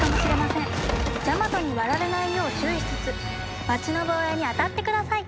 ジャマトに割られないよう注意しつつ町の防衛に当たってください。